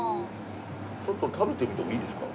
ちょっと食べてみてもいいですか？